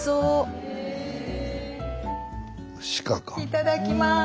いただきます！